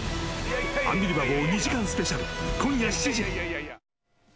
「アンビリバボー」２時間スペシャル、今夜７時。